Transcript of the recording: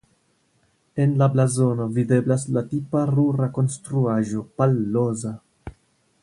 En la blazono videblas la tipa rura konstruaĵo "palloza".